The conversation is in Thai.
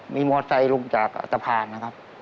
มีมอเตอร์ไซส์ลงจากสะพานนะครับ